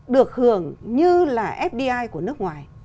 được hưởng như là fdi của nước ngoài